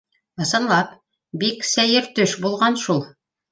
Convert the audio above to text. —Ысынлап, бик сәйер төш булған шул!